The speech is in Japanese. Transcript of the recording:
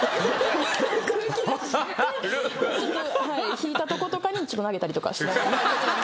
引いたとことかに投げたりとか。